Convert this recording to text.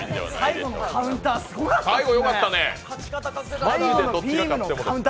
最後のカウンターすごかったっすね